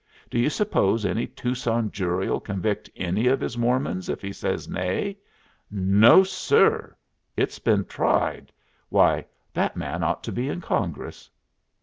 Do you suppose any Tucson jury'll convict any of his Mormons if he says nay? No, sir! It's been tried. Why, that man ought to be in Congress."